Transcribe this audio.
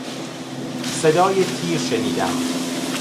صدای تیر شنیدم.